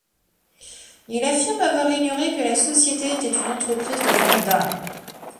Il affirme avoir ignoré que la société était une entreprise de vente d'armes.